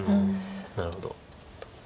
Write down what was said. なるほど。